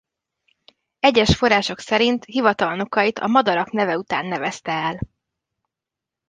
Egyes források szerint hivatalnokait a madarak neve után nevezte el.